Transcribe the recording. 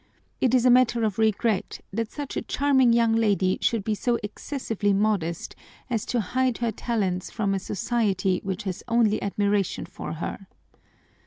It is a matter of regret that such a charming young lady should be so excessively modest as to hide her talents from a society which has only admiration for her.